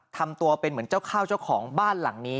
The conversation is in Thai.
ทำตัวเป็นเหมือนเจ้าข้าวเจ้าของบ้านหลังนี้